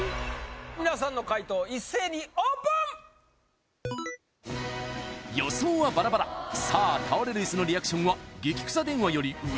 みなさんの解答一斉にオープン予想はバラバラさあ倒れる椅子のリアクションはゲキ臭電話より上？